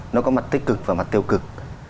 nó có mặt tích cực và mặt tiêu cực